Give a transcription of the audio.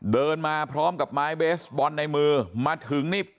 เดินมาพร้อมกับไม้เบสบอลในมือมาถึงนี่